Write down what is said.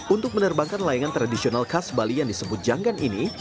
untuk menerbangkan layangan tradisional khas bali yang disebut janggan ini